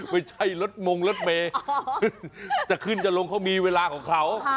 ไม่ใช่รถมงรถเมย์จะขึ้นจะลงเขามีเวลาของเขา